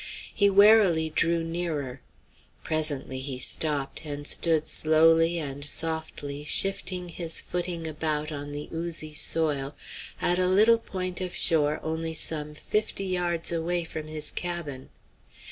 He warily drew nearer. Presently he stopped, and stood slowly and softly shifting his footing about on the oozy soil, at a little point of shore only some fifty yards away from his cabin.